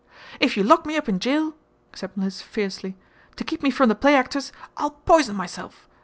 "If you lock me up in jail," said Mliss, fiercely, "to keep me from the play actors, I'll poison myself.